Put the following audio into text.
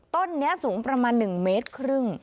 ต้นนี้สูงประมาณ๑๕เมตร